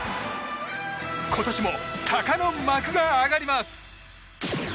今年も鷹の幕が上がります。